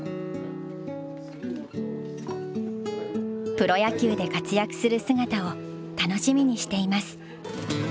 「プロ野球で活躍する姿を楽しみにしています」。